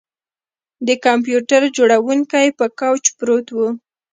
د کمپیوټر جوړونکی په کوچ پروت و